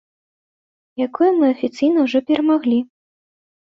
Якую мы афіцыйна ўжо перамаглі.